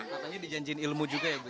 katanya dijanjin ilmu juga ya